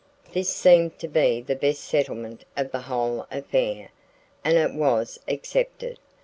This seemed to be the best settlement of the whole affair, and it was accepted.